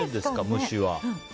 虫は。